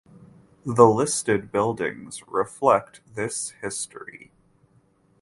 The listed buildings reflect this history.